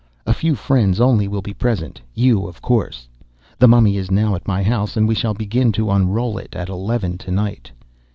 A few friends only will be present—you, of course. The Mummy is now at my house, and we shall begin to unroll it at eleven to night.